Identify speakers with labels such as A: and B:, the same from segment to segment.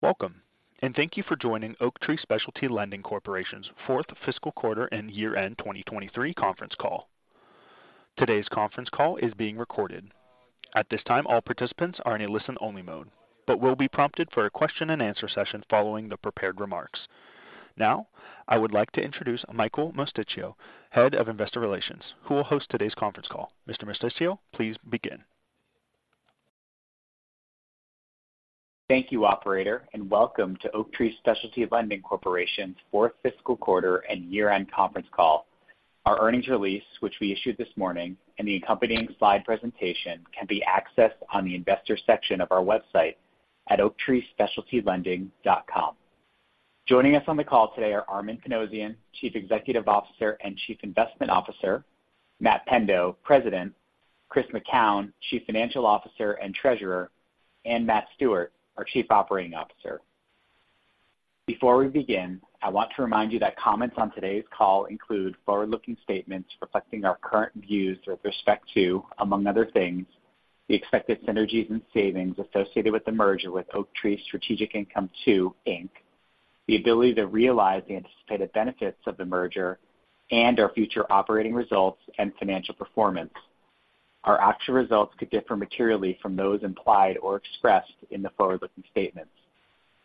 A: Welcome, and thank you for joining Oaktree Specialty Lending Corporation's fourth fiscal quarter and year-end 2023 conference call. Today's conference call is being recorded. At this time, all participants are in a listen-only mode, but will be prompted for a question-and-answer session following the prepared remarks. Now, I would like to introduce Michael Mosticchio, Head of Investor Relations, who will host today's conference call. Mr. Mosticchio, please begin.
B: Thank you, operator, and welcome to Oaktree Specialty Lending Corporation's fourth fiscal quarter and year-end conference call. Our earnings release, which we issued this morning, and the accompanying slide presentation can be accessed on the Investors section of our website at oaktreespecialtylending.com. Joining us on the call today are Armen Panossian, Chief Executive Officer and Chief Investment Officer; Matt Pendo, President; Chris McKown, Chief Financial Officer and Treasurer; and Matt Stewart, our Chief Operating Officer. Before we begin, I want to remind you that comments on today's call include forward-looking statements reflecting our current views with respect to, among other things, the expected synergies and savings associated with the merger with Oaktree Strategic Income II, Inc., the ability to realize the anticipated benefits of the merger, and our future operating results and financial performance. Our actual results could differ materially from those implied or expressed in the forward-looking statements.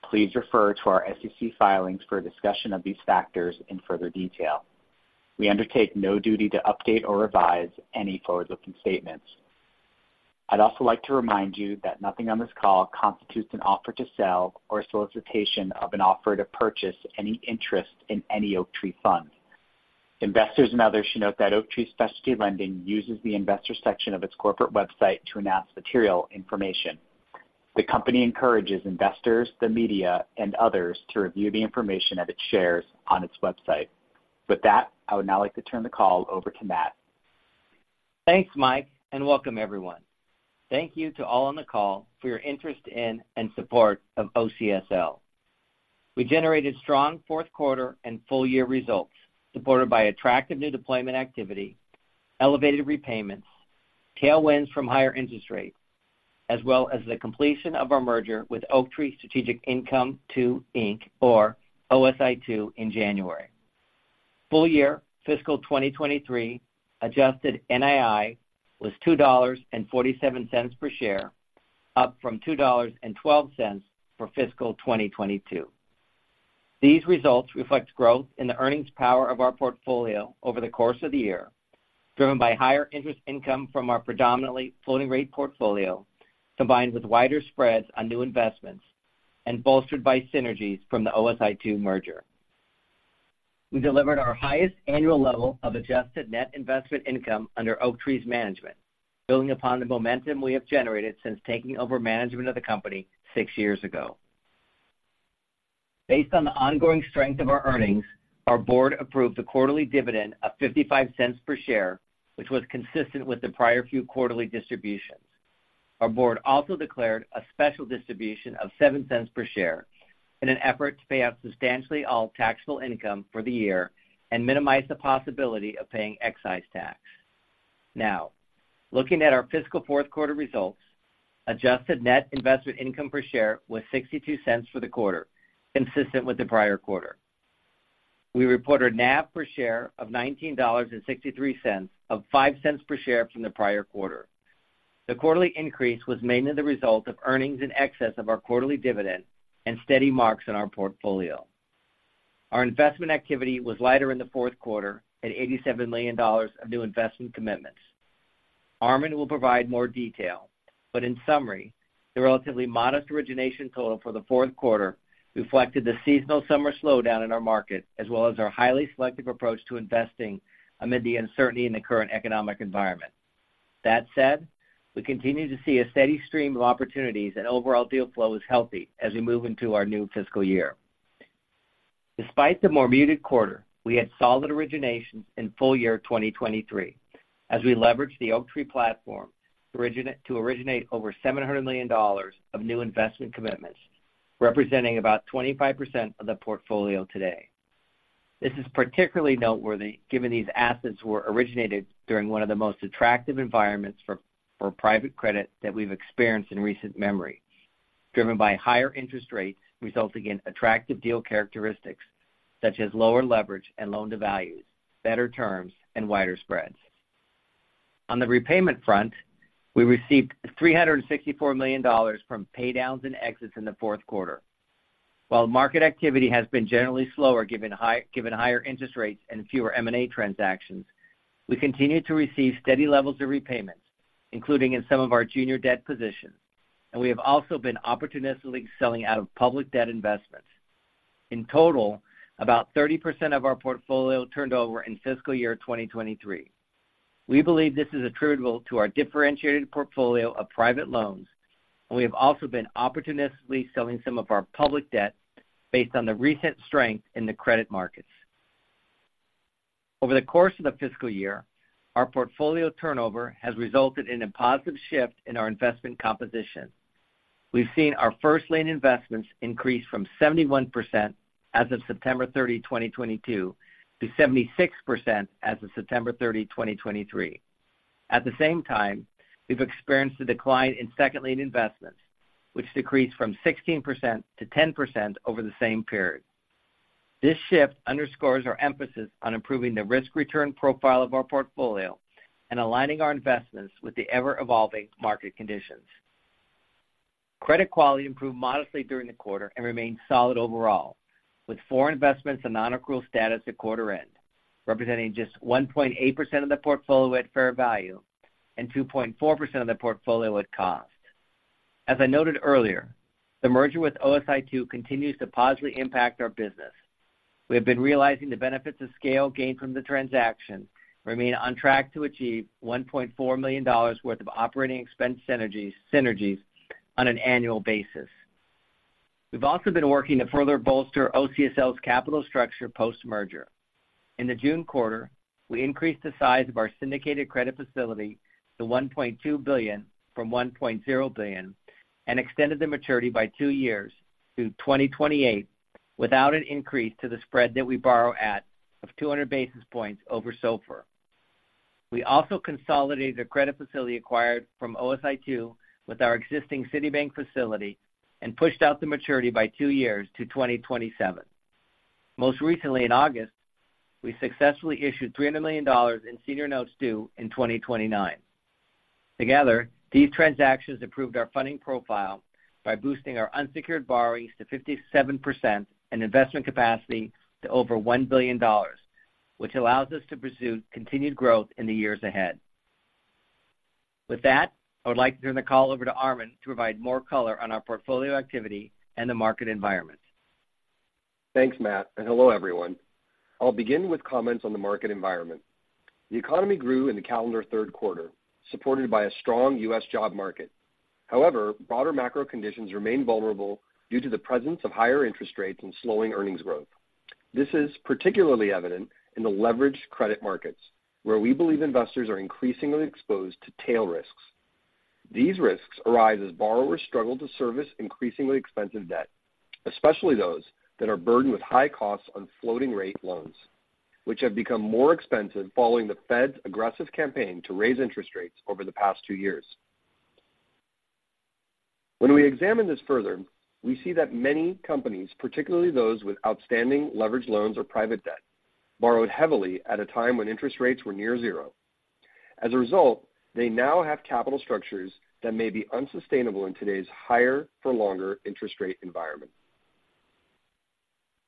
B: Please refer to our SEC filings for a discussion of these factors in further detail. We undertake no duty to update or revise any forward-looking statements. I'd also like to remind you that nothing on this call constitutes an offer to sell or solicitation of an offer to purchase any interest in any Oaktree fund. Investors and others should note that Oaktree Specialty Lending uses the Investors section of its corporate website to announce material information. The company encourages investors, the media, and others to review the information that it shares on its website. With that, I would now like to turn the call over to Matt.
C: Thanks, Mike, and welcome, everyone. Thank you to all on the call for your interest in and support of OCSL. We generated strong fourth quarter and full-year results, supported by attractive new deployment activity, elevated repayments, tailwinds from higher interest rates, as well as the completion of our merger with Oaktree Strategic Income II, Inc., or OSI II, in January. Full year fiscal 2023 adjusted NII was $2.47 per share, up from $2.12 for fiscal 2022. These results reflect growth in the earnings power of our portfolio over the course of the year, driven by higher interest income from our predominantly floating-rate portfolio, combined with wider spreads on new investments and bolstered by synergies from the OSI II merger. We delivered our highest annual level of adjusted net investment income under Oaktree's management, building upon the momentum we have generated since taking over management of the company six years ago. Based on the ongoing strength of our earnings, our board approved a quarterly dividend of $0.55 per share, which was consistent with the prior few quarterly distributions. Our board also declared a special distribution of $0.07 per share in an effort to pay out substantially all taxable income for the year and minimize the possibility of paying excise tax. Now, looking at our fiscal fourth quarter results, adjusted net investment income per share was $0.62 for the quarter, consistent with the prior quarter. We reported NAV per share of $19.63, of $0.05 per share from the prior quarter. The quarterly increase was mainly the result of earnings in excess of our quarterly dividend and steady marks in our portfolio. Our investment activity was lighter in the fourth quarter at $87 million of new investment commitments. Armen will provide more detail, but in summary, the relatively modest origination total for the fourth quarter reflected the seasonal summer slowdown in our market, as well as our highly selective approach to investing amid the uncertainty in the current economic environment. That said, we continue to see a steady stream of opportunities and overall deal flow is healthy as we move into our new fiscal year. Despite the more muted quarter, we had solid originations in full year 2023, as we leveraged the Oaktree platform to originate over $700 million of new investment commitments, representing about 25% of the portfolio today. This is particularly noteworthy, given these assets were originated during one of the most attractive environments for private credit that we've experienced in recent memory, driven by higher interest rates, resulting in attractive deal characteristics such as lower leverage and loan to values, better terms, and wider spreads. On the repayment front, we received $364 million from paydowns and exits in the fourth quarter. While market activity has been generally slower, given higher interest rates and fewer M&A transactions, we continue to receive steady levels of repayments, including in some of our junior debt positions, and we have also been opportunistically selling out of public debt investments. In total, about 30% of our portfolio turned over in fiscal year 2023. We believe this is attributable to our differentiated portfolio of private loans, and we have also been opportunistically selling some of our public debt based on the recent strength in the credit markets. Over the course of the fiscal year, our portfolio turnover has resulted in a positive shift in our investment composition. We've seen our first lien investments increase from 71% as of September 30, 2022, to 76% as of September 30, 2023.... At the same time, we've experienced a decline in second lien investments, which decreased from 16% to 10% over the same period. This shift underscores our emphasis on improving the risk-return profile of our portfolio and aligning our investments with the ever-evolving market conditions. Credit quality improved modestly during the quarter and remained solid overall, with four investments in non-accrual status at quarter end, representing just 1.8% of the portfolio at fair value and 2.4% of the portfolio at cost. As I noted earlier, the merger with OSI II continues to positively impact our business. We have been realizing the benefits of scale gained from the transaction, remain on track to achieve $1.4 million worth of operating expense synergies, synergies on an annual basis. We've also been working to further bolster OCSL's capital structure post-merger. In the June quarter, we increased the size of our syndicated credit facility to $1.2 billion from $1.0 billion, and extended the maturity by two years through 2028, without an increase to the spread that we borrow at of 200 basis points over SOFR. We also consolidated the credit facility acquired from OSI II with our existing Citibank facility and pushed out the maturity by two years to 2027. Most recently, in August, we successfully issued $300 million in senior notes due in 2029. Together, these transactions improved our funding profile by boosting our unsecured borrowings to 57% and investment capacity to over $1 billion, which allows us to pursue continued growth in the years ahead. With that, I would like to turn the call over to Armen to provide more color on our portfolio activity and the market environment.
D: Thanks, Matt, and hello, everyone. I'll begin with comments on the market environment. The economy grew in the calendar third quarter, supported by a strong U.S. job market. However, broader macro conditions remain vulnerable due to the presence of higher interest rates and slowing earnings growth. This is particularly evident in the leveraged credit markets, where we believe investors are increasingly exposed to tail risks. These risks arise as borrowers struggle to service increasingly expensive debt, especially those that are burdened with high costs on floating-rate loans, which have become more expensive following the Fed's aggressive campaign to raise interest rates over the past two years. When we examine this further, we see that many companies, particularly those with outstanding leveraged loans or private debt, borrowed heavily at a time when interest rates were near zero. As a result, they now have capital structures that may be unsustainable in today's higher for longer interest rate environment.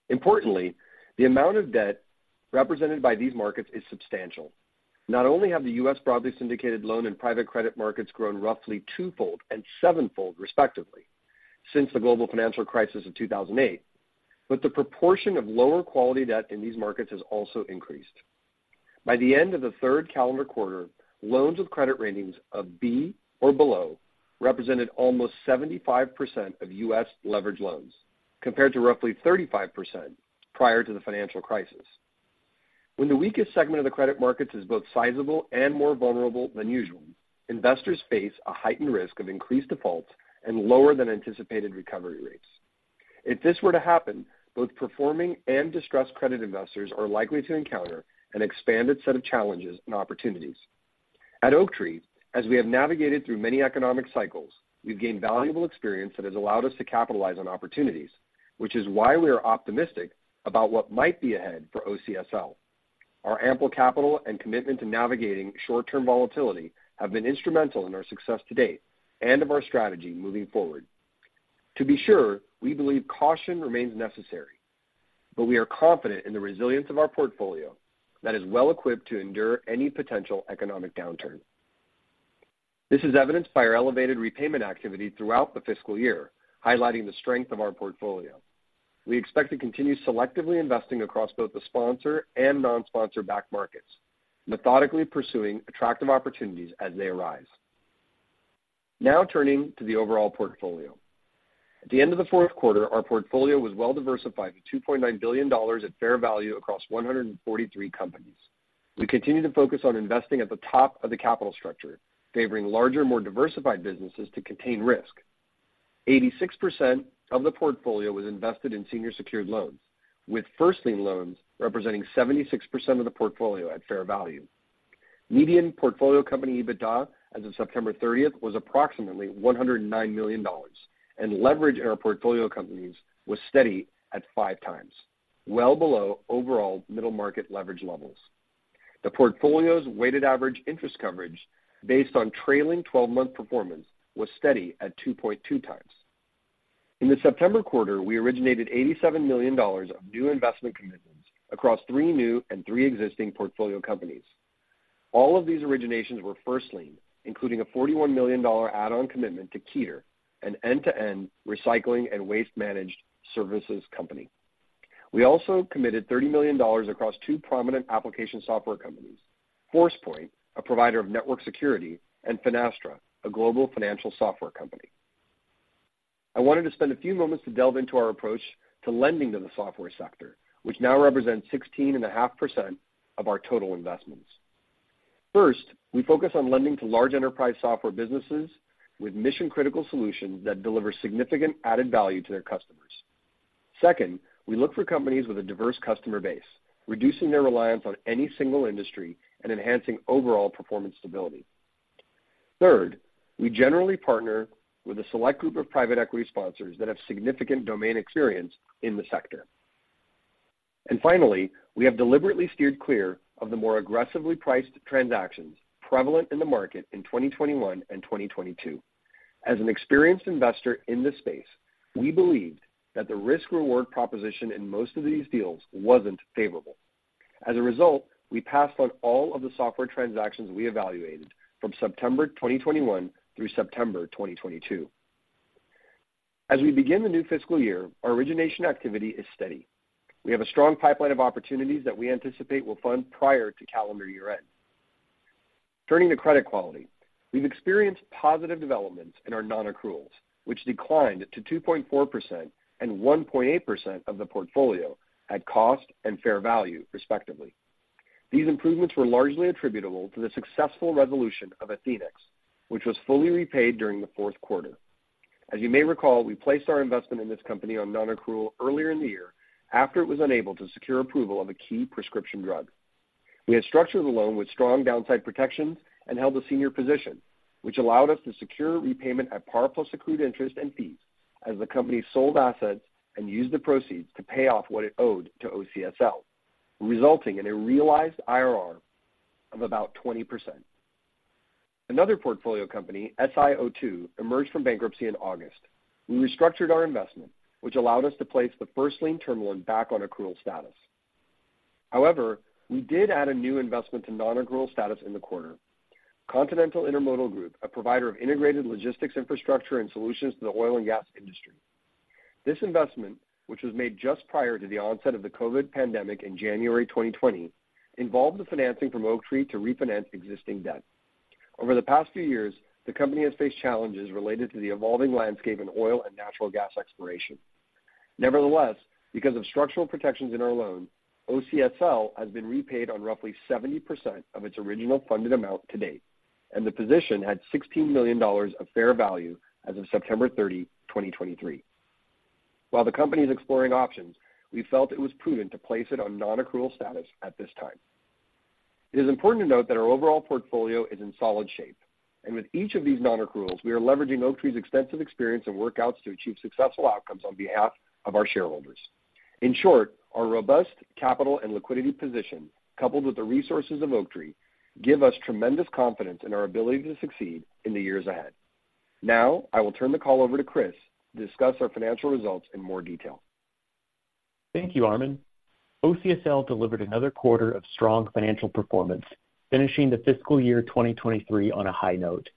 D: Importantly, the amount of debt represented by these markets is substantial. Not only have the U.S. broadly syndicated loan and private credit markets grown roughly twofold and sevenfold, respectively, since the global financial crisis of 2008, but the proportion of lower quality debt in these markets has also increased. By the end of the third calendar quarter, loans with credit ratings of B or below represented almost 75% of U.S. leveraged loans, compared to roughly 35% prior to the financial crisis. When the weakest segment of the credit markets is both sizable and more vulnerable than usual, investors face a heightened risk of increased defaults and lower than anticipated recovery rates. If this were to happen, both performing and distressed credit investors are likely to encounter an expanded set of challenges and opportunities. At Oaktree, as we have navigated through many economic cycles, we've gained valuable experience that has allowed us to capitalize on opportunities, which is why we are optimistic about what might be ahead for OCSL. Our ample capital and commitment to navigating short-term volatility have been instrumental in our success to date and of our strategy moving forward. To be sure, we believe caution remains necessary, but we are confident in the resilience of our portfolio that is well equipped to endure any potential economic downturn. This is evidenced by our elevated repayment activity throughout the fiscal year, highlighting the strength of our portfolio. We expect to continue selectively investing across both the sponsor and non-sponsor-backed markets, methodically pursuing attractive opportunities as they arise. Now, turning to the overall portfolio. At the end of the fourth quarter, our portfolio was well diversified with $2.9 billion at fair value across 143 companies. We continue to focus on investing at the top of the capital structure, favoring larger, more diversified businesses to contain risk. 86% of the portfolio was invested in senior secured loans, with first lien loans representing 76% of the portfolio at fair value. Median portfolio company, EBITDA, as of September thirtieth, was approximately $109 million, and leverage in our portfolio companies was steady at 5x, well below overall middle market leverage levels. The portfolio's weighted average interest coverage, based on trailing twelve-month performance, was steady at 2.2x. In the September quarter, we originated $87 million of new investment commitments across three new and three existing portfolio companies. All of these originations were first lien, including a $41 million add-on commitment to Keter, an end-to-end recycling and waste management services company. We also committed $30 million across two prominent application software companies, Forcepoint, a provider of network security, and Finastra, a global financial software company. I wanted to spend a few moments to delve into our approach to lending to the software sector, which now represents 16.5% of our total investments. First, we focus on lending to large enterprise software businesses with mission-critical solutions that deliver significant added value to their customers. Second, we look for companies with a diverse customer base, reducing their reliance on any single industry and enhancing overall performance stability. Third, we generally partner with a select group of private equity sponsors that have significant domain experience in the sector. Finally, we have deliberately steered clear of the more aggressively priced transactions prevalent in the market in 2021 and 2022. As an experienced investor in this space, we believed that the risk-reward proposition in most of these deals wasn't favorable. As a result, we passed on all of the software transactions we evaluated from September 2021 through September 2022. As we begin the new fiscal year, our origination activity is steady. We have a strong pipeline of opportunities that we anticipate will fund prior to calendar year-end. Turning to credit quality, we've experienced positive developments in our non-accruals, which declined to 2.4% and 1.8% of the portfolio at cost and fair value, respectively. These improvements were largely attributable to the successful resolution of Athenex, which was fully repaid during the fourth quarter. As you may recall, we placed our investment in this company on non-accrual earlier in the year after it was unable to secure approval of a key prescription drug. We had structured the loan with strong downside protections and held a senior position, which allowed us to secure repayment at par plus accrued interest and fees as the company sold assets and used the proceeds to pay off what it owed to OCSL, resulting in a realized IRR of about 20%. Another portfolio company, SiO2, emerged from bankruptcy in August. We restructured our investment, which allowed us to place the first lien term loan back on accrual status. However, we did add a new investment to non-accrual status in the quarter. Continental Intermodal Group, a provider of integrated logistics infrastructure and solutions to the oil and gas industry. This investment, which was made just prior to the onset of the COVID pandemic in January 2020, involved the financing from Oaktree to refinance existing debt. Over the past few years, the company has faced challenges related to the evolving landscape in oil and natural gas exploration. Nevertheless, because of structural protections in our loan, OCSL has been repaid on roughly 70% of its original funded amount to date, and the position had $16 million of fair value as of September 30, 2023. While the company is exploring options, we felt it was prudent to place it on non-accrual status at this time. It is important to note that our overall portfolio is in solid shape, and with each of these non-accruals, we are leveraging Oaktree's extensive experience in workouts to achieve successful outcomes on behalf of our shareholders. In short, our robust capital and liquidity position, coupled with the resources of Oaktree, give us tremendous confidence in our ability to succeed in the years ahead. Now, I will turn the call over to Chris to discuss our financial results in more detail.
E: Thank you, Armen. OCSL delivered another quarter of strong financial performance, finishing the fiscal year 2023 on a high note.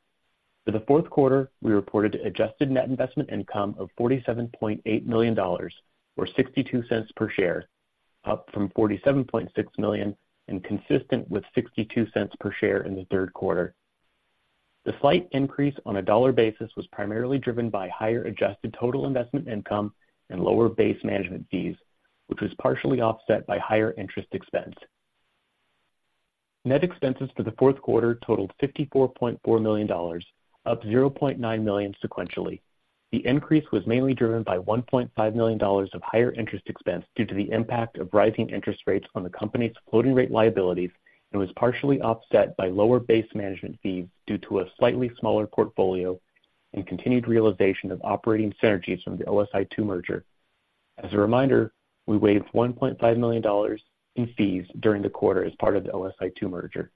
E: For the fourth quarter, we reported adjusted net investment income of $47.8 million, or $0.62 per share, up from $47.6 million and consistent with $0.62 per share in the third quarter. The slight increase on a dollar basis was primarily driven by higher adjusted total investment income and lower base management fees, which was partially offset by higher interest expense. Net expenses for the fourth quarter totaled $54.4 million, up $0.9 million sequentially. The increase was mainly driven by $1.5 million of higher interest expense due to the impact of rising interest rates on the company's floating rate liabilities, and was partially offset by lower base management fees due to a slightly smaller portfolio and continued realization of operating synergies from the OSI II merger. As a reminder, we waived $1.5 million in fees during the quarter as part of the OSI II merger.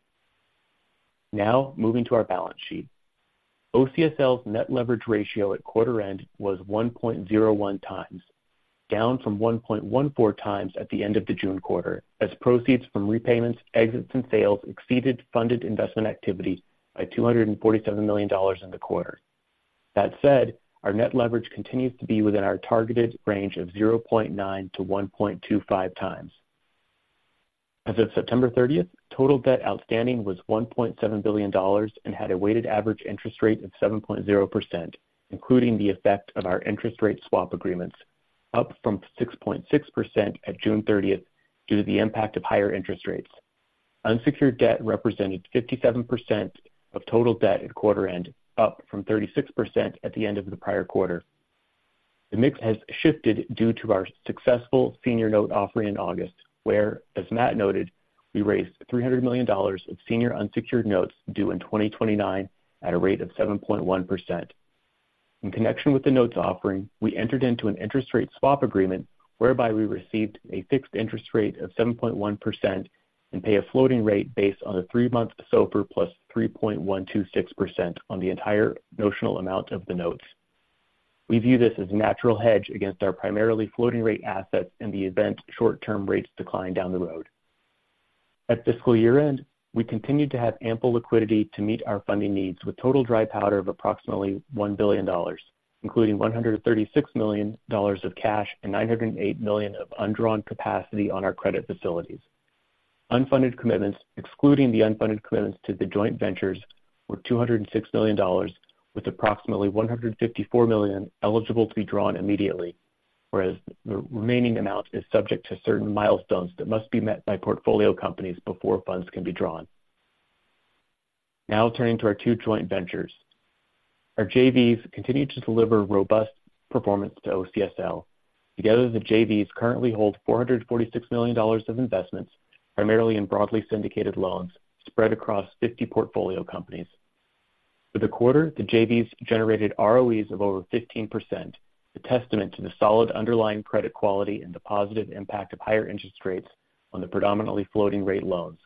E: Now, moving to our balance sheet. OCSL's net leverage ratio at quarter end was 1.01x, down from 1.14x at the end of the June quarter, as proceeds from repayments, exits and sales exceeded funded investment activity by $247 million in the quarter. That said, our net leverage continues to be within our targeted range of 0.9x-1.25x. As of September thirtieth, total debt outstanding was $1.7 billion and had a weighted average interest rate of 7.0%, including the effect of our interest rate swap agreements, up from 6.6% at June 30th due to the impact of higher interest rates. Unsecured debt represented 57% of total debt at quarter end, up from 36% at the end of the prior quarter. The mix has shifted due to our successful senior note offering in August, where, as Matt noted, we raised $300 million of senior unsecured notes due in 2029 at a rate of 7.1%. In connection with the notes offering, we entered into an interest rate swap agreement, whereby we received a fixed interest rate of 7.1% and pay a floating rate based on a three-month SOFR plus 3.126% on the entire notional amount of the notes. We view this as a natural hedge against our primarily floating rate assets in the event short-term rates decline down the road. At fiscal year-end, we continued to have ample liquidity to meet our funding needs, with total dry powder of approximately $1 billion, including $136 million of cash and $908 million of undrawn capacity on our credit facilities. Unfunded commitments, excluding the unfunded commitments to the joint ventures, were $206 million, with approximately $154 million eligible to be drawn immediately, whereas the remaining amount is subject to certain milestones that must be met by portfolio companies before funds can be drawn. Now turning to our two joint ventures. Our JVs continued to deliver robust performance to OCSL. Together, the JVs currently hold $446 million of investments, primarily in broadly syndicated loans spread across 50 portfolio companies. For the quarter, the JVs generated ROEs of over 15%, a testament to the solid underlying credit quality and the positive impact of higher interest rates on the predominantly floating rate loans.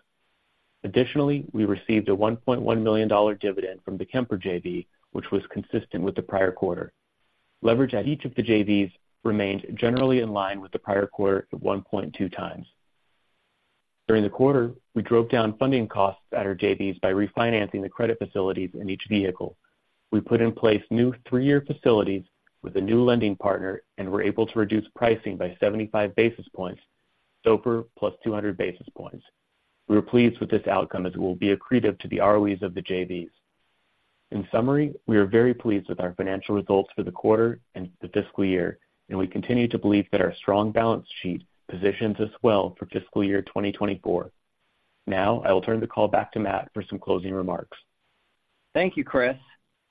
E: Additionally, we received a $1.1 million dividend from the Kemper JV, which was consistent with the prior quarter. Leverage at each of the JVs remained generally in line with the prior quarter at 1.2x. During the quarter, we drove down funding costs at our JVs by refinancing the credit facilities in each vehicle. We put in place new three-year facilities with a new lending partner and were able to reduce pricing by 75 basis points, SOFR plus 200 basis points. We were pleased with this outcome as it will be accretive to the ROEs of the JVs. In summary, we are very pleased with our financial results for the quarter and the fiscal year, and we continue to believe that our strong balance sheet positions us well for fiscal year 2024. Now, I will turn the call back to Matt for some closing remarks,
C: Thank you, Chris.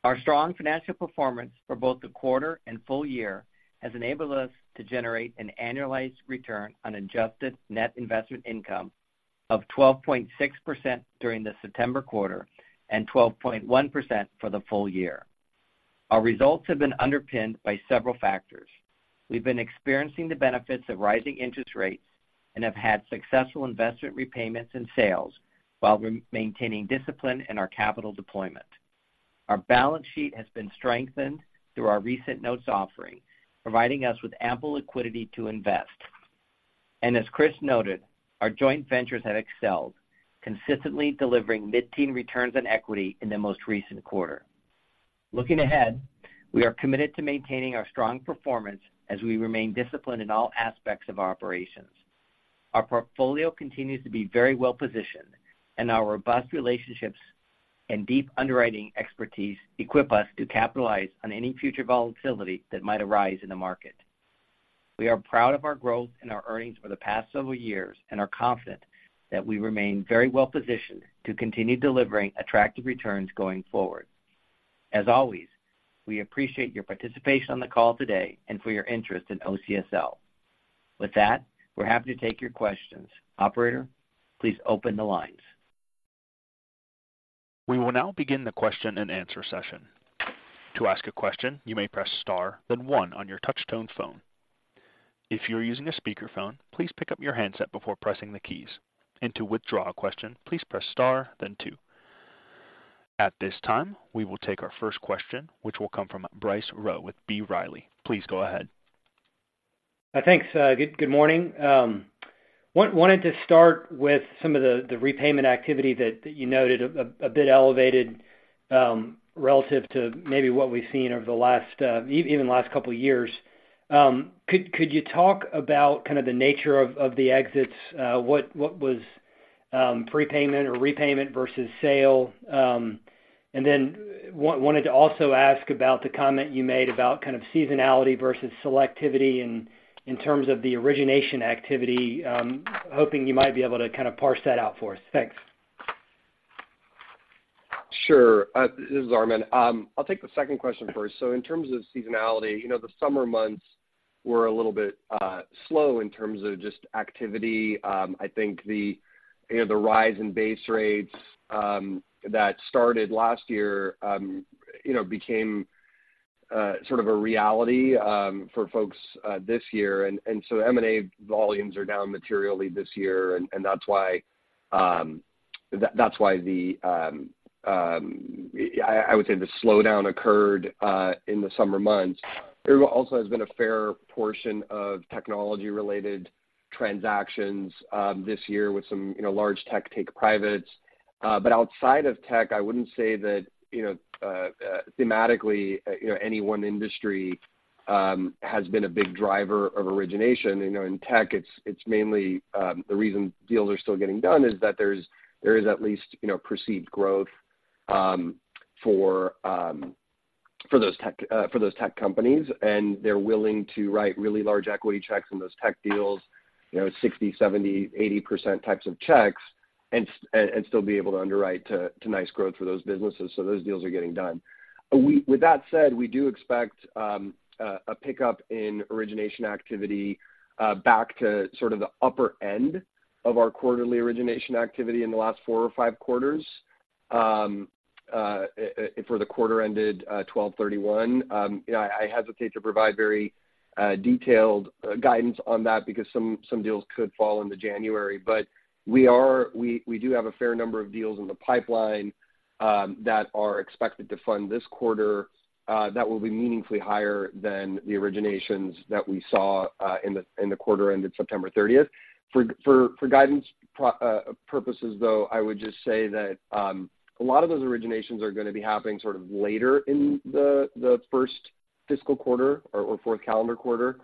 C: Our strong financial performance for both the quarter and full year has enabled us to generate an annualized return on adjusted net investment income of 12.6% during the September quarter and 12.1% for the full year. Our results have been underpinned by several factors. We've been experiencing the benefits of rising interest rates and have had successful investment repayments and sales while maintaining discipline in our capital deployment. Our balance sheet has been strengthened through our recent notes offering, providing us with ample liquidity to invest. And as Chris noted, our joint ventures have excelled, consistently delivering mid-teen returns on equity in the most recent quarter. Looking ahead, we are committed to maintaining our strong performance as we remain disciplined in all aspects of our operations. Our portfolio continues to be very well positioned, and our robust relationships and deep underwriting expertise equip us to capitalize on any future volatility that might arise in the market. We are proud of our growth and our earnings for the past several years and are confident that we remain very well positioned to continue delivering attractive returns going forward. As always, we appreciate your participation on the call today and for your interest in OCSL. With that, we're happy to take your questions. Operator, please open the lines.
A: We will now begin the question-and-answer session. To ask a question, you may press Star, then one on your touch-tone phone. If you are using a speakerphone, please pick up your handset before pressing the keys. To withdraw a question, please press Star then two. At this time, we will take our first question, which will come from Bryce Rowe with B. Riley. Please go ahead.
F: Thanks. Good morning. Wanted to start with some of the repayment activity that you noted a bit elevated relative to maybe what we've seen over the last, even the last couple of years. Could you talk about kind of the nature of the exits? What was prepayment or repayment versus sale? And then wanted to also ask about the comment you made about kind of seasonality versus selectivity in terms of the origination activity. Hoping you might be able to kind of parse that out for us. Thanks.
D: Sure. This is Armen. I'll take the second question first. So in terms of seasonality, you know, the summer months were a little bit slow in terms of just activity. I think the, you know, the rise in base rates that started last year, you know, became sort of a reality for folks this year. And so M&A volumes are down materially this year, and that's why I would say the slowdown occurred in the summer months. There also has been a fair portion of technology-related transactions this year with some, you know, large tech take privates. But outside of tech, I wouldn't say that, you know, thematically, you know, any one industry has been a big driver of origination. You know, in tech, it's, it's mainly the reason deals are still getting done is that there's, there is at least, you know, perceived growth for those tech, for those tech companies, and they're willing to write really large equity checks in those tech deals, you know, 60%, 70%, 80% types of checks, and still be able to underwrite to nice growth for those businesses. So those deals are getting done. With that said, we do expect a pickup in origination activity back to sort of the upper end of our quarterly origination activity in the last four or five quarters for the quarter ended 12/31. You know, I hesitate to provide very detailed guidance on that because some deals could fall into January. But we do have a fair number of deals in the pipeline that are expected to fund this quarter that will be meaningfully higher than the originations that we saw in the quarter ended September thirtieth. For guidance purposes, though, I would just say that a lot of those originations are gonna be happening sort of later in the first fiscal quarter or fourth calendar quarter.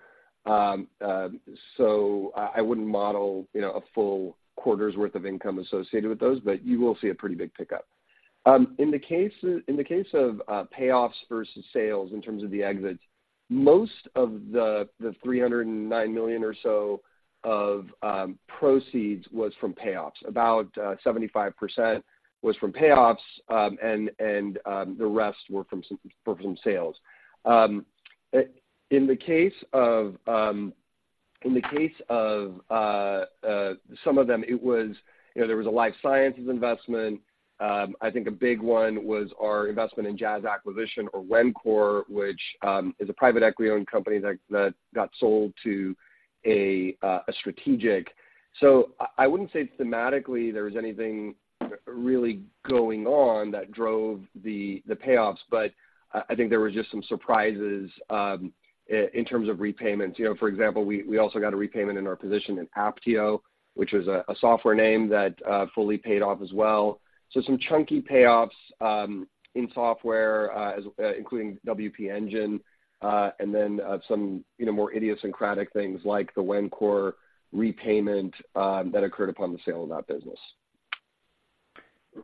D: So I wouldn't model, you know, a full quarter's worth of income associated with those, but you will see a pretty big pickup. In the case of payoffs versus sales in terms of the exits, most of the $309 million or so of proceeds was from payoffs. About 75% was from payoffs, and the rest were from sales. In the case of some of them, it was, you know, there was a life sciences investment. I think a big one was our investment in Jazz Acquisition of Wencor, which is a private equity-owned company that got sold to a strategic. So I wouldn't say thematically there was anything really going on that drove the payoffs, but I think there were just some surprises in terms of repayments. You know, for example, we also got a repayment in our position in Apptio, which was a software name that fully paid off as well. Some chunky payoffs in software, including WP Engine, and then some, you know, more idiosyncratic things like the Wencor repayment that occurred upon the sale of that business.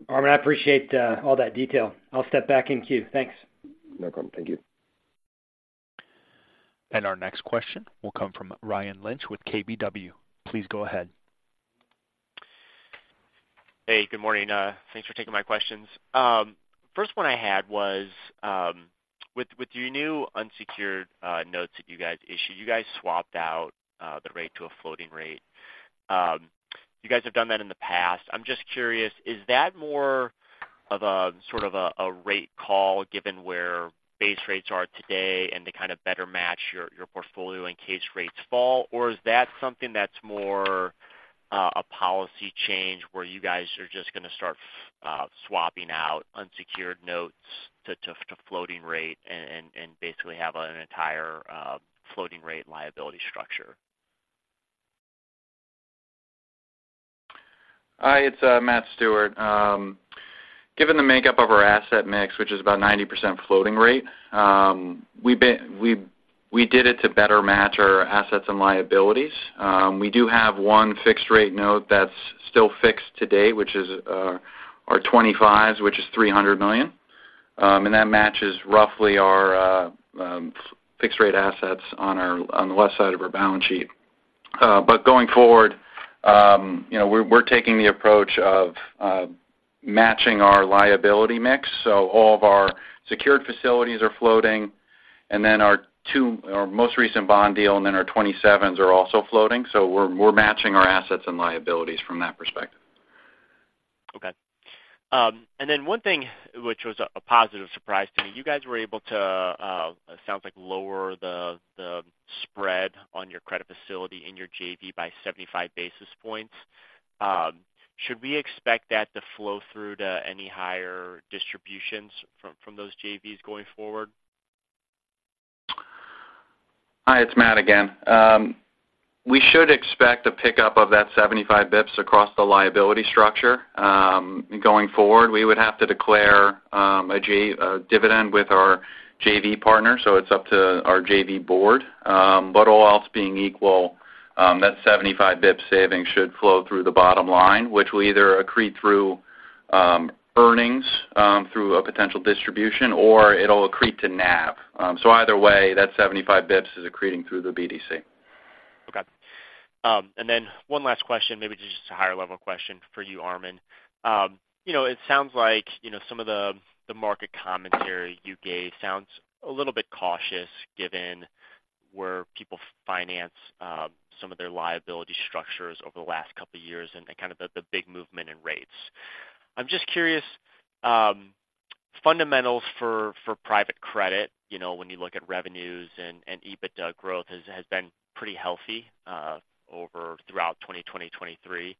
F: Armen, I appreciate, all that detail. I'll step back in queue. Thanks.
D: No problem. Thank you.
A: Our next question will come from Ryan Lynch with KBW. Please go ahead.
G: Hey, good morning. Thanks for taking my questions. First one I had was, with your new unsecured notes that you guys issued, you guys swapped out the rate to a floating rate. You guys have done that in the past. I'm just curious, is that more of a, sort of a, a rate call, given where base rates are today and to kind of better match your portfolio in case rates fall? Or is that something that's more a policy change, where you guys are just gonna start swapping out unsecured notes to floating rate and basically have an entire floating rate liability structure?
H: Hi, it's Matt Stewart. Given the makeup of our asset mix, which is about 90% floating rate, we did it to better match our assets and liabilities. We do have one fixed rate note that's still fixed to date, which is our 2025s, which is $300 million. And that matches roughly our fixed rate assets on our-- on the left side of our balance sheet. But going forward, you know, we're taking the approach of matching our liability mix. So all of our secured facilities are floating, and then our two... our most recent bond deal, and then our 2027s are also floating. So we're matching our assets and liabilities from that perspective.
G: Okay. And then one thing which was a positive surprise to me, you guys were able to, it sounds like lower the, the spread on your credit facility in your JV by 75 basis points. Should we expect that to flow through to any higher distributions from, from those JVs going forward?
H: Hi, it's Matt again. We should expect a pickup of that 75 basis points across the liability structure. Going forward, we would have to declare a dividend with our JV partner, so it's up to our JV board. But all else being equal, that 75 basis point saving should flow through the bottom line, which will either accrete through earnings through a potential distribution, or it'll accrete to NAV. So either way, that 75 basis points is accreting through the BDC.
G: Okay. And then one last question, maybe just a higher-level question for you, Armen. You know, it sounds like, you know, some of the, the market commentary you gave sounds a little bit cautious, given where people finance some of their liability structures over the last couple of years and, and kind of the, the big movement in rates. I'm just curious, fundamentals for, for private credit, you know, when you look at revenues and, and EBITDA growth, has, has been pretty healthy over throughout 2020, 2023.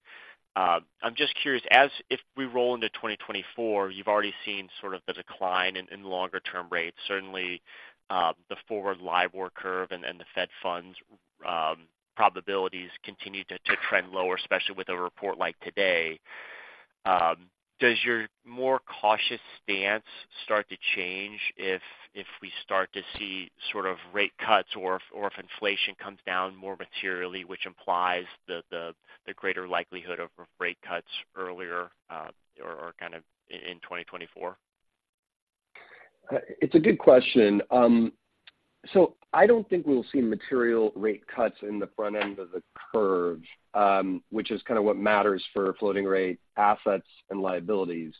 G: I'm just curious, as if we roll into 2024, you've already seen sort of the decline in, in longer-term rates. Certainly, the forward LIBOR curve and, and the Fed funds probabilities continue to, to trend lower, especially with a report like today. Does your more cautious stance start to change if we start to see sort of rate cuts or if inflation comes down more materially, which implies the greater likelihood of rate cuts earlier, or kind of in 2024?
D: It's a good question. So I don't think we'll see material rate cuts in the front end of the curve, which is kind of what matters for floating rate assets and liabilities,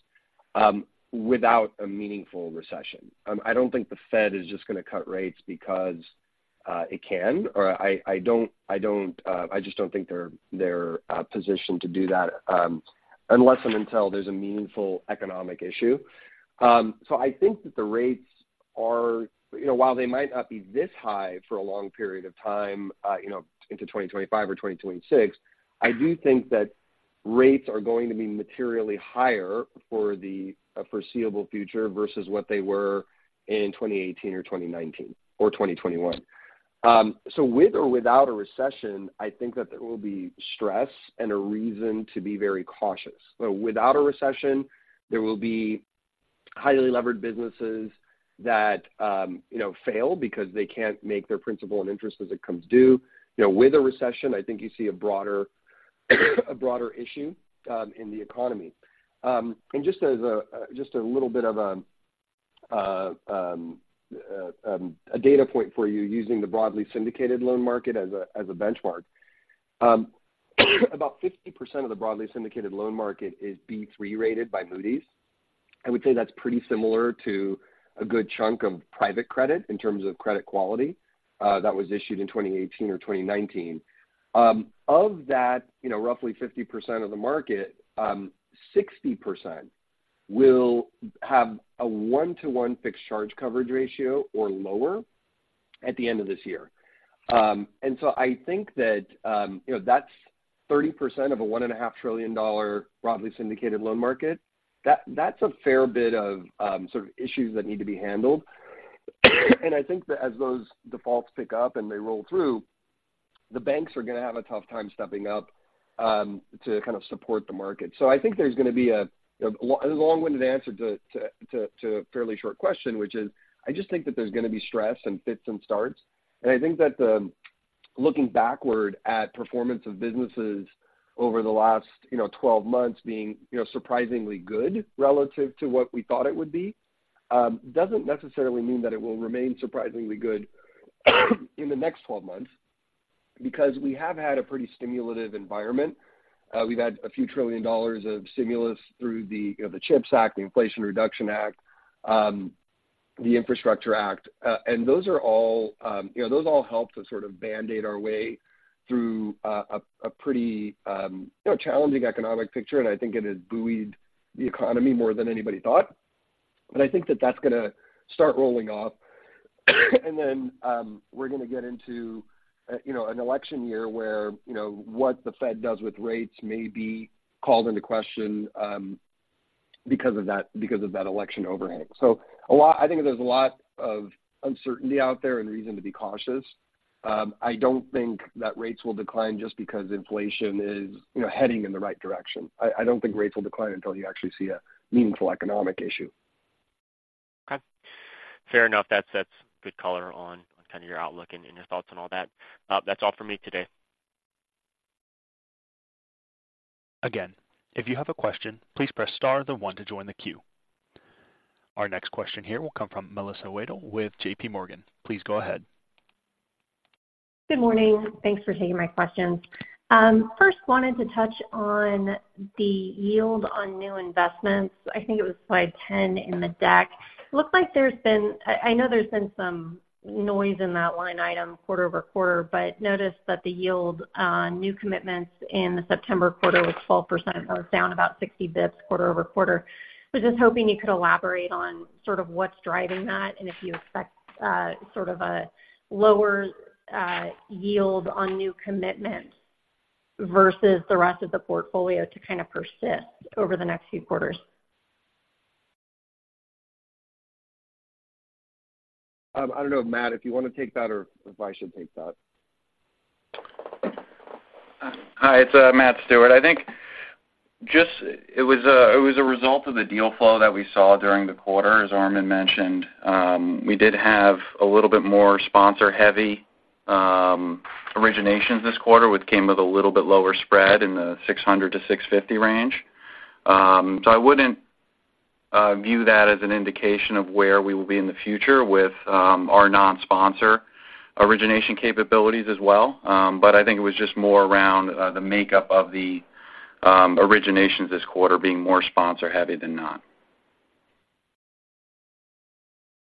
D: without a meaningful recession. I don't think the Fed is just gonna cut rates because it can. I just don't think they're positioned to do that, unless and until there's a meaningful economic issue. So I think that the rates are... You know, while they might not be this high for a long period of time, you know, into 2025 or 2026, I do think that rates are going to be materially higher for the foreseeable future versus what they were in 2018 or 2019 or 2021. So with or without a recession, I think that there will be stress and a reason to be very cautious. So without a recession, there will be highly levered businesses that, you know, fail because they can't make their principal and interest as it comes due. You know, with a recession, I think you see a broader, a broader issue in the economy. And just as a little bit of a data point for you using the broadly syndicated loan market as a benchmark. About 50% of the broadly syndicated loan market is B3 rated by Moody's. I would say that's pretty similar to a good chunk of private credit in terms of credit quality, that was issued in 2018 or 2019. Of that, you know, roughly 50% of the market, 60% will have a one-to-one Fixed Charge Coverage Ratio or lower at the end of this year. And so I think that, you know, that's 30% of a $1.5 trillion broadly syndicated loan market. That's a fair bit of, sort of issues that need to be handled. And I think that as those defaults pick up and they roll through, the banks are gonna have a tough time stepping up, to kind of support the market. So I think there's gonna be a long-winded answer to a fairly short question, which is, I just think that there's gonna be stress and fits and starts. I think that, looking backward at performance of businesses over the last 12 months, being surprisingly good relative to what we thought it would be, doesn't necessarily mean that it will remain surprisingly good in the next 12 months, because we have had a pretty stimulative environment. We've had a few trillion dollars of stimulus through the CHIPS Act, the Inflation Reduction Act, the Infrastructure Act. And those are all, those all helped to sort of Band-Aid our way through a pretty challenging economic picture, and I think it has buoyed the economy more than anybody thought. But I think that that's gonna start rolling off. And then, we're gonna get into, you know, an election year where, you know, what the Fed does with rates may be called into question, because of that, because of that election overhang. So, a lot, I think there's a lot of uncertainty out there and reason to be cautious. I don't think that rates will decline just because inflation is, you know, heading in the right direction. I, I don't think rates will decline until you actually see a meaningful economic issue.
G: Okay, fair enough. That's, that's good color on, on kind of your outlook and, and your thoughts on all that. That's all for me today.
A: Again, if you have a question, please press star then one to join the queue. Our next question here will come from Melissa Wedel with J.P. Morgan. Please go ahead.
I: Good morning. Thanks for taking my questions. First, wanted to touch on the yield on new investments. I think it was slide 10 in the deck. Looks like there's been... I know there's been some noise in that line item quarter-over-quarter, but noticed that the yield on new commitments in the September quarter was 12%, down about 60 basis points quarter-over-quarter. Was just hoping you could elaborate on sort of what's driving that, and if you expect sort of a lower yield on new commitments versus the rest of the portfolio to kind of persist over the next few quarters.
D: I don't know, Matt, if you want to take that or if I should take that.
H: Hi, it's Matt Stewart. I think just -- it was a result of the deal flow that we saw during the quarter. As Armen mentioned, we did have a little bit more sponsor-heavy originations this quarter, which came with a little bit lower spread in the 600-650 range. So I wouldn't view that as an indication of where we will be in the future with our non-sponsor origination capabilities as well. But I think it was just more around the makeup of the originations this quarter being more sponsor-heavy than not.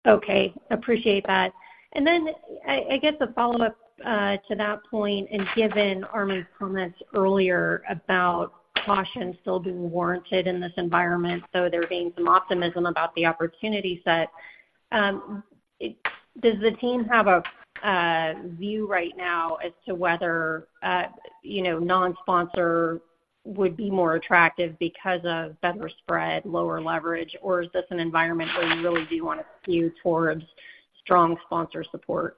I: Okay, appreciate that. And then I guess a follow-up to that point, and given Armen's comments earlier about caution still being warranted in this environment, so there being some optimism about the opportunity set. Does the team have a view right now as to whether, you know, non-sponsor would be more attractive because of better spread, lower leverage, or is this an environment where you really do want to skew towards strong sponsor support?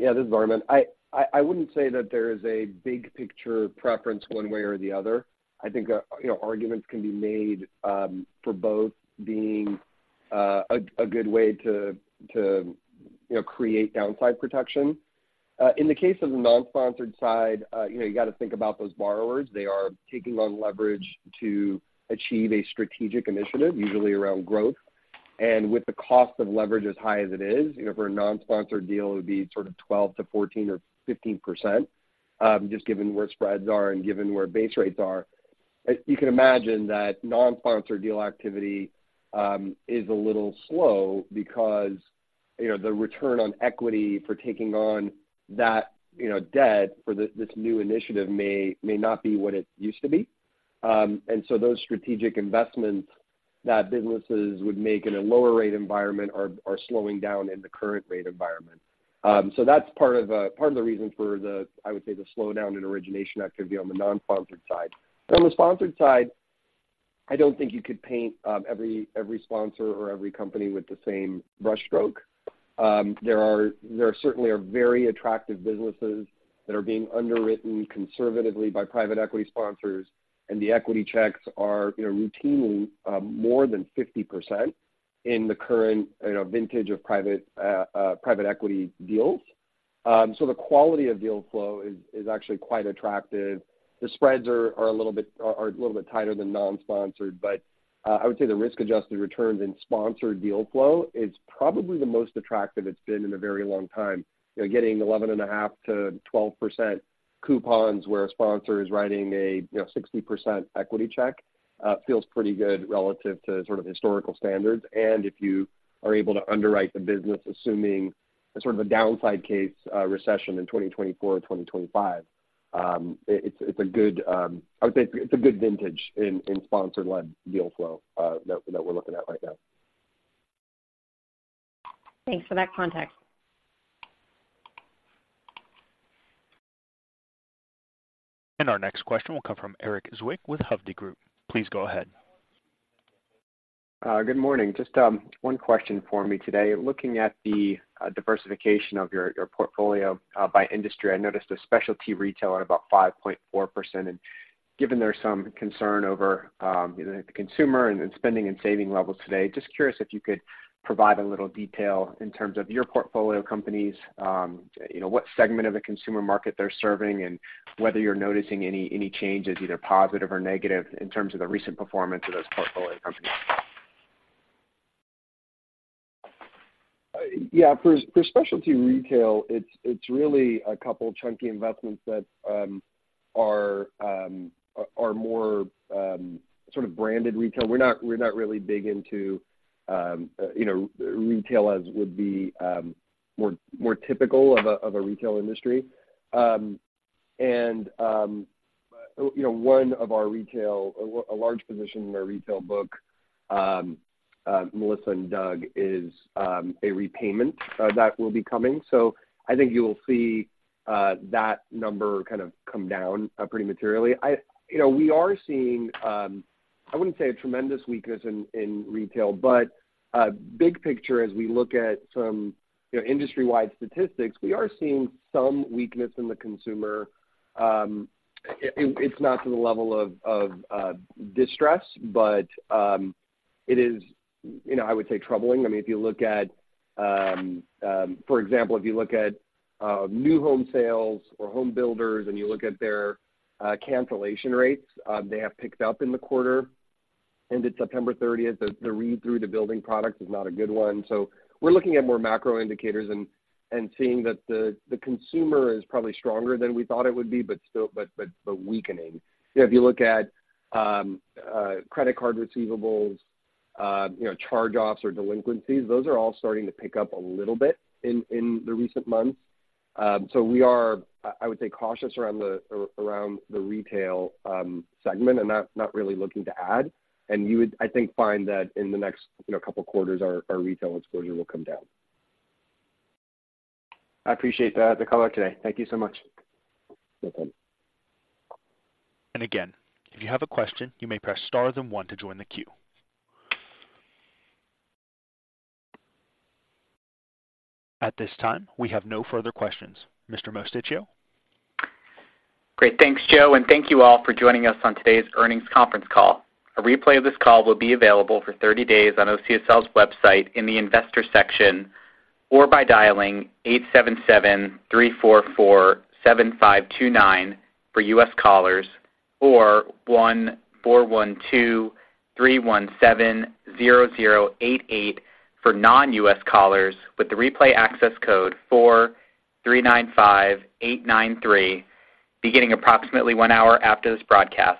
D: Yeah, this is Armen. I wouldn't say that there is a big picture preference one way or the other. I think, you know, arguments can be made for both being a good way to, you know, create downside protection. In the case of the non-sponsored side, you know, you got to think about those borrowers. They are taking on leverage to achieve a strategic initiative, usually around growth. And with the cost of leverage as high as it is, you know, for a non-sponsored deal, it would be sort of 12%-14% or 15%, just given where spreads are and given where base rates are. You can imagine that non-sponsored deal activity is a little slow because, you know, the return on equity for taking on that, you know, debt for this, this new initiative may, may not be what it used to be. And so those strategic investments that businesses would make in a lower rate environment are, are slowing down in the current rate environment. So that's part of, part of the reason for the, I would say, the slowdown in origination activity on the non-sponsored side. On the sponsored side, I don't think you could paint every, every sponsor or every company with the same brushstroke. There certainly are very attractive businesses that are being underwritten conservatively by private equity sponsors, and the equity checks are, you know, routinely, more than 50%.... In the current, you know, vintage of private equity deals. So the quality of deal flow is actually quite attractive. The spreads are a little bit tighter than non-sponsored, but I would say the risk-adjusted returns in sponsored deal flow is probably the most attractive it's been in a very long time. You know, getting 11.5%-12% coupons, where a sponsor is writing a, you know, 60% equity check, feels pretty good relative to sort of historical standards. And if you are able to underwrite the business, assuming a sort of a downside case, recession in 2024 or 2025, it's a good, I would say it's a good vintage in sponsor-led deal flow, that we're looking at right now.
I: Thanks for that context.
A: Our next question will come from Erik Zwick with Hovde Group. Please go ahead.
J: Good morning. Just, one question for me today. Looking at the, diversification of your, your portfolio, by industry, I noticed a specialty retail at about 5.4%. And given there's some concern over, you know, the consumer and, and spending and saving levels today, just curious if you could provide a little detail in terms of your portfolio companies, you know, what segment of the consumer market they're serving, and whether you're noticing any, any changes, either positive or negative, in terms of the recent performance of those portfolio companies?
D: Yeah, for specialty retail, it's really a couple of chunky investments that are more sort of branded retail. We're not really big into, you know, retail as would be more typical of a retail industry. And you know, one of our retail—a large position in our retail book, Melissa & Doug, is a repayment that will be coming. So I think you will see that number kind of come down pretty materially. You know, we are seeing, I wouldn't say a tremendous weakness in retail, but big picture, as we look at some, you know, industry-wide statistics, we are seeing some weakness in the consumer. It's not to the level of distress, but it is, you know, I would say troubling. I mean, if you look at, for example, if you look at new home sales or home builders and you look at their cancellation rates, they have picked up in the quarter ended September thirtieth. The read through the building products is not a good one. So we're looking at more macro indicators and seeing that the consumer is probably stronger than we thought it would be, but still—but weakening. You know, if you look at credit card receivables, you know, charge-offs or delinquencies, those are all starting to pick up a little bit in the recent months. So we are, I would say, cautious around the retail segment and not really looking to add. And you would, I think, find that in the next, you know, couple quarters, our retail exposure will come down.
J: I appreciate that, the color today. Thank you so much.
D: No problem.
A: And again, if you have a question, you may press star then one to join the queue. At this time, we have no further questions. Mr. Mosticchio?
B: Great. Thanks, Joe, and thank you all for joining us on today's earnings conference call. A replay of this call will be available for 30 days on OCSL's website in the Investors section, or by dialing 877-344-7529 for U.S. callers, or 1-412-317-0088 for non-U.S. callers, with the replay access code 439-5893, beginning approximately 1 hour after this broadcast.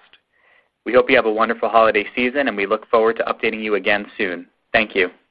B: We hope you have a wonderful holiday season, and we look forward to updating you again soon. Thank you.